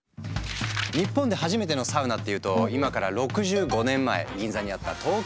日本で初めてのサウナっていうと今から６５年前銀座にあった「東京温泉」。